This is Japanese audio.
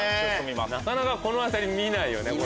なかなかこの辺り見ないよね。